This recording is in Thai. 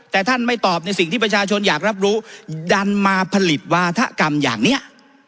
แต่ท่านไม่ตอบในสิ่งที่ประชาชนอยากรับรู้ดันมาผลิตวาธกรรมอย่างนี้